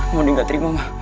mondi gak terima ma